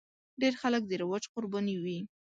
ډېر خلک د رواج قرباني وي.